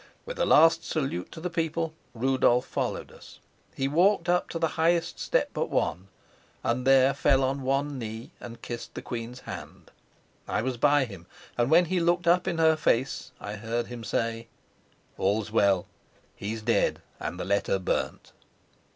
With a last salute to the people Rudolf followed us. He walked up to the highest step but one, and there fell on one knee and kissed the queen's hand. I was by him, and when he looked up in her face I heard him say: "All's well. He's dead, and the letter burnt."